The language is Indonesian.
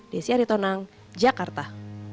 desyari tonang jakarta